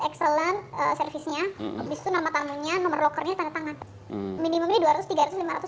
excellent servisnya habis itu nama tangannya nomor rockernya tangan tangan minimumnya dua ratus